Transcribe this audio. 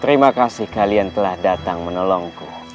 terima kasih kalian telah datang menolongku